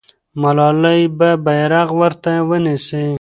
ملالۍ به بیرغ ورته ونیسي.